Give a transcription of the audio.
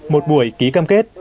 một buổi ký cam kết